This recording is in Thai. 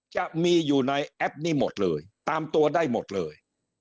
จะมีอยู่ในแอปนี้หมดเลยตามตัวได้หมดเลย